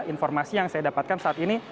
informasi yang saya dapatkan saat ini